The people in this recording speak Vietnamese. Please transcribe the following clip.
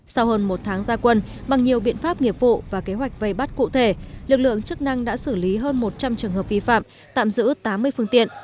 sau hơn một tháng gia quân bằng nhiều biện pháp nghiệp vụ và kế hoạch vây bắt cụ thể lực lượng chức năng đã xử lý hơn một trăm linh trường hợp vi phạm tạm giữ tám mươi phương tiện